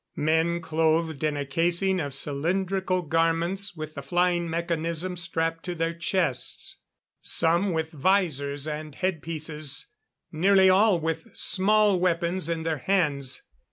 Men clothed in a casing of cylindrical garments with the flying mechanisms strapped to their chests; some with visors and headpieces, nearly all with small weapons in their hands.